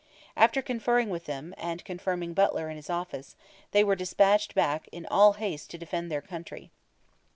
After conferring with them, and confirming Butler in his office, they were despatched back in all haste to defend their country.